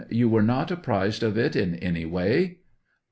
You were not apprised of it in any way